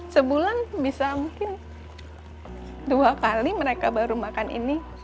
sebulan bisa mungkin dua kali mereka baru makan ini